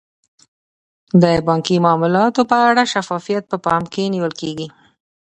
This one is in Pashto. د بانکي معاملاتو په اړه شفافیت په پام کې نیول کیږي.